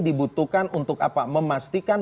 dibutuhkan untuk apa memastikan